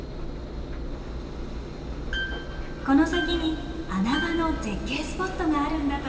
この先に穴場の絶景スポットがあるんだとか。